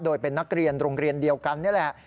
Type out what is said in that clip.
โดยเป็นนักเรียนโรงเรียนเดียวกันนี่แหละ